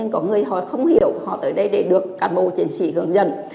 có người họ không hiểu họ tới đây để được cán bộ chiến sĩ hướng dẫn